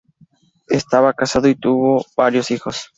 Estaba casado y tuvo varios hijos.